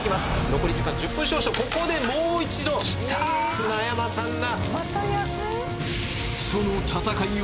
残り時間１０分少々ここでもう一度きた砂山さんがまた焼く？